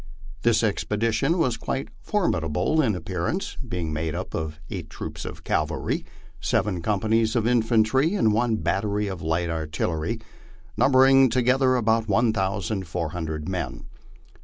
This expedition was quite formida ble in appearance, being made up of eight troops of cavalry, seven companies of infantry, and one battery of light artillery, numbering altogether about 1,400 men.